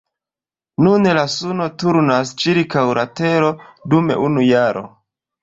Nun la suno turnas ĉirkaŭ la tero dum unu jaro.